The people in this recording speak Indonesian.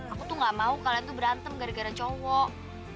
aku tuh gak mau kalian tuh berantem gara gara cowok